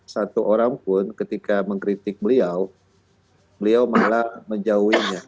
satu orang pun ketika mengkritik beliau beliau malah menjauhinya